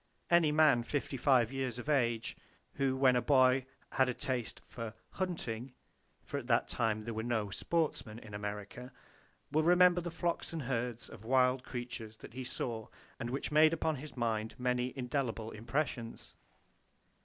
Any man 55 years of age who when a boy had a taste for "hunting,"—for at that time there were no "sportsmen" in America,—will remember the flocks and herds of wild creatures that he saw and which made upon his mind many indelible impressions.